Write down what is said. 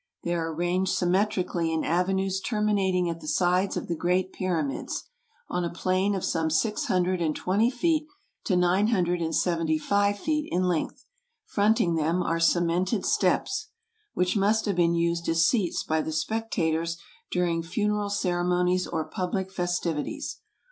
They are arranged symmetrically in avenues terminating at the sides of the great pyramids, on a plain of some six hundred and twenty feet to nine hundred and seventy five feet in length; fronting them are cemented steps, which must have been used as seats by the spectators during funeral ceremonies or public festivities.